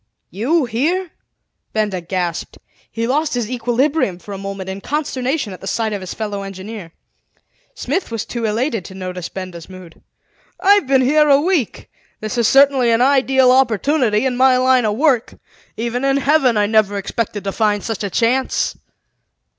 "You here?" Benda gasped. He lost his equilibrium for a moment in consternation at the sight of his fellow engineer. Smith was too elated to notice Benda's mood. "I've been here a week. This is certainly an ideal opportunity in my line of work. Even in Heaven I never expected to find such a chance."